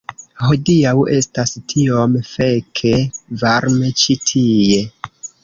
Hodiaŭ estas tiom feke varme ĉi tie